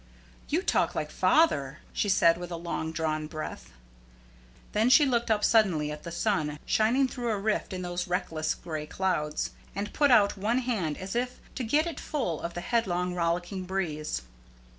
"You talk like father," she said, with a long drawn breath. Then she looked up suddenly at the sun shining through a rift in those reckless gray clouds, and put out one hand as if to get it full of the headlong rollicking breeze.